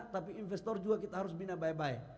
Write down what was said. tapi investor juga kita harus bina baik baik